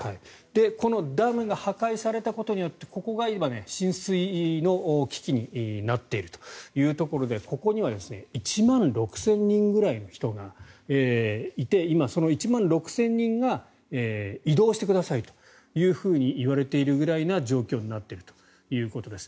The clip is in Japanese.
このダムが破壊されたことによってここが今、浸水の危機になっているというところでここには１万６０００人ぐらいの人がいて今、その１万６０００人が移動してくださいというふうに言われているぐらいな状況になっているということです。